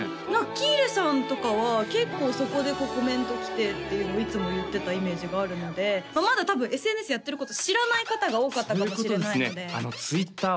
喜入さんとかは結構そこでこうコメント来てっていうのいつも言ってたイメージがあるのでまあまだ多分ＳＮＳやってること知らない方が多かったかもしれないのでそういうことですねＴｗｉｔｔｅｒ